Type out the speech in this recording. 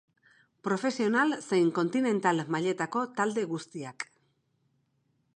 Profesional zein kontinental mailetako talde guztiak.